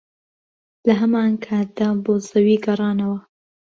لەهەمانکاتدا بۆ زەوی گەڕانەوە